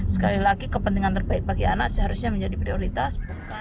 sekali lagi kepentingan terbaik bagi anak seharusnya menjadi prioritas